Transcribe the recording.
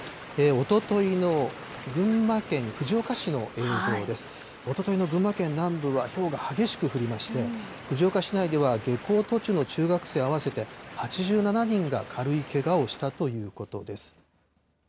おとといの群馬県南部はひょうが激しく降りまして、藤岡市内では下校途中の中学生合わせて８７人が、軽いけがをしたということです。